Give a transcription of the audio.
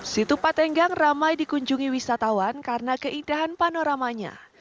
situpa tenggang ramai dikunjungi wisatawan karena keindahan panoramanya